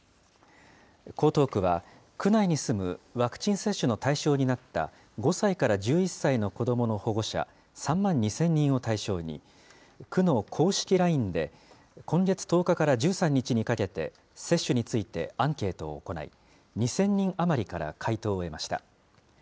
江東区は、区内に住むワクチン接種の対象になった５歳から１１歳の子どもの保護者３万２０００人を対象に、区の公式ＬＩＮＥで今月１０日から１３日にかけて、接種についてアンケートを行い、２０００人余りから回答を得ました。